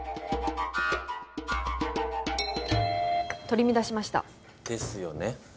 取り乱しました。ですよね。